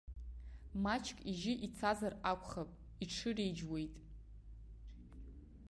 Маҷк ижьы ицазар акәхап, иҽиреиџьуеит.